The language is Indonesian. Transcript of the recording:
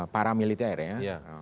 para militer ya